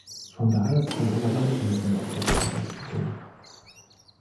Von daher ist von einer weit höheren Opferzahl auszugehen.